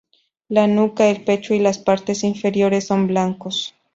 La nuca, el pecho y las partes inferiores son blancos.